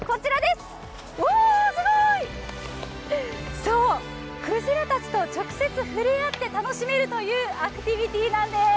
すごい、そう、くじらたちと直接ふれあって楽しめるというアクティビティーなんです。